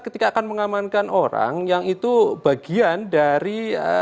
ketika akan mengamankan orang yang itu bagian dari